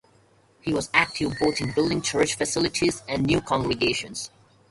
He was active both in building church facilities and new congregations.